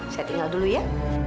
saya tinggal dulu ya